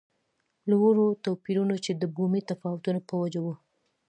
له وړو توپیرونو چې د بومي تفاوتونو په وجه وو.